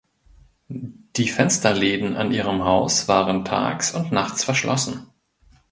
Die Fensterläden an ihrem Haus waren tags und nachts verschlossen.